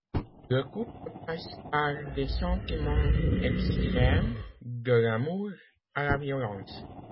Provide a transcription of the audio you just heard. Le couple passe par des sentiments extrêmes, de l’amour à la violence.